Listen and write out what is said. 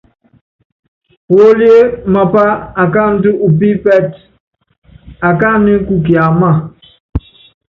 Púólíe mapá akáandú u pípɛ́tɛ́, akáánɛ́ kú kiámáa.